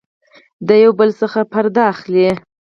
د يو بل څخه پرده اخلي